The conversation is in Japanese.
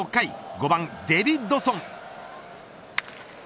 ５番デビッドソン。